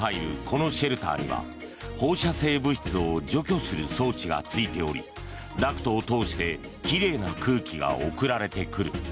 このシェルターには放射性物質を除去する装置がついておりダクトを通してきれいな空気が送られてくる。